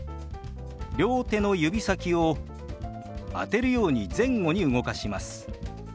両手の指先を当てるように前後に動かします。